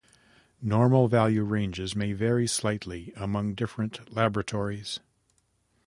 Normal value ranges may vary slightly among different laboratories.